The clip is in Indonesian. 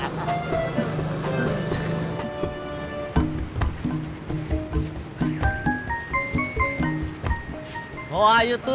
wah lo udah makan belum